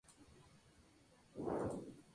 El plumaje de invierno es en gran parte gris.